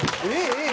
えっ？